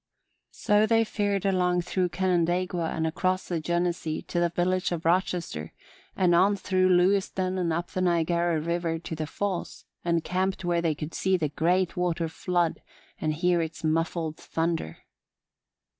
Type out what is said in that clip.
So they fared along through Canandaigua and across the Genesee to the village of Rochester and on through Lewiston and up the Niagara River to the Falls, and camped where they could see the great water flood and hear its muffled thunder.